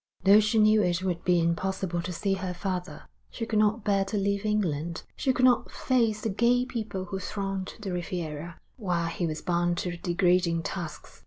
Though she knew it would be impossible to see her father, she could not bear to leave England; she could not face the gay people who thronged the Riviera, while he was bound to degrading tasks.